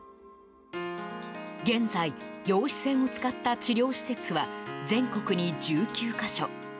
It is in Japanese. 現在、陽子線を使った治療施設は全国に１９か所。